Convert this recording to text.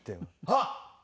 あっ。